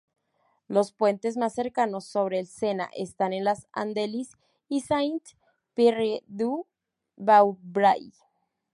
Los puentes más cercanos sobre el Sena están en Les Andelys y Saint-Pierre-du-Vauvray.